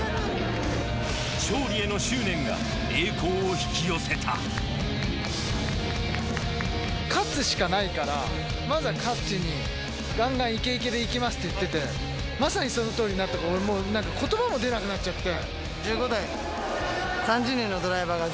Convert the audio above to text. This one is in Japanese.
勝利への執念が栄光を引き寄せた勝つしかないからまずは勝ちにガンガンイケイケでいきますって言っててまさにそのとおりになったから俺もう言葉も出なくなっちゃって。